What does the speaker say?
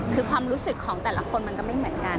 คือความรู้สึกของแต่ละคนมันก็ไม่เหมือนกัน